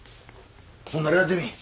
ほんならやってみぃ。